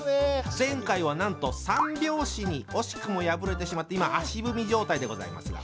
前回はなんと三拍子に惜しくも敗れてしまって今足踏み状態でございますが。